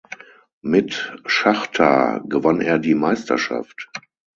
Mit Schachtar gewann er die Meisterschaft.